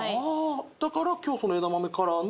だから今日えだまめカラーの。